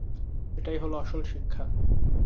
এটাই হলো আসল শিক্ষা।